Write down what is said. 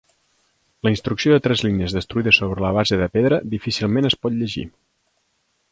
La instrucció de tres línies destruïda sobre la base de pedra difícilment es pot llegir.